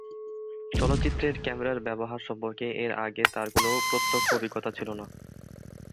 চলচ্চিত্রের ক্যামেরার ব্যবহার সম্পর্কে এর আগে তার কোন প্রত্যক্ষ অভিজ্ঞতা ছিল না।